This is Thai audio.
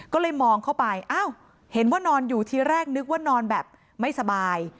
ก็เลยมองเข้าไปอ้าวเห็นว่านอนอยู่ทีแรกนึกว่านอนแบบไม่สบาย